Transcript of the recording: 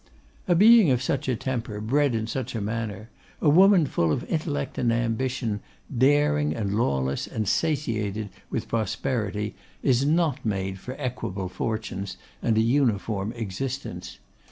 A being of such a temper, bred in such a manner; a woman full of intellect and ambition, daring and lawless, and satiated with prosperity, is not made for equable fortunes and an uniform existence.